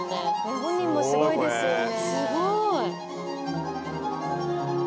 ・ご本人もすごいですよね。